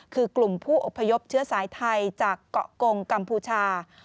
คือกลุ่มผู้อพยพเชื้อสายไทยจากเกาะกงกัมพูชา